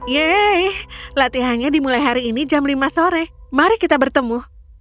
yeay latihannya dimulai hari ini jam lima sore mari kita bertemu